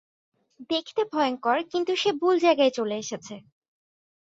দেখতে ভয়ংকর কিন্তু সে ভুল জায়গায় চলে এসেছে।